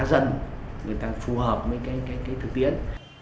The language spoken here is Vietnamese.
người ta phù hợp với cái thực tiễn